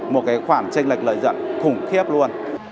một cái khoản tranh lệch lợi dẫn khủng khiếp luôn